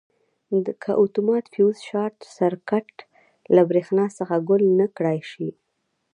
که اتومات فیوز شارټ سرکټ له برېښنا څخه ګل نه کړای شي.